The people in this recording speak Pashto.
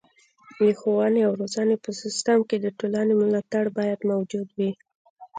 د ښوونې او روزنې په سیستم کې د ټولنې ملاتړ باید موجود وي.